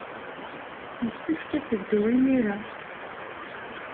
Yessefk ad teddu imir-a.